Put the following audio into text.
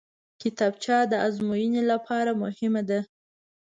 کتابچه د ازموینې لپاره مهمه ده